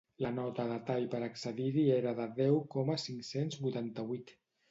La nota de tall per a accedir-hi era de deu coma cinc-cents vuitanta-vuit.